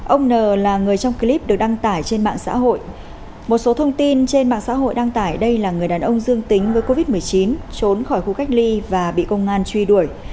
ông n là người trong clip được đăng tải trên mạng xã hội một số thông tin trên mạng xã hội đăng tải đây là người đàn ông dương tính với covid một mươi chín trốn khỏi khu cách ly và bị công an truy đuổi